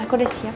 aku udah siap